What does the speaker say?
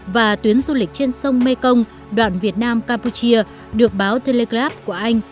và tuyến du lịch trên sông mekong đoạn việt nam campuchia được báo telegrap của anh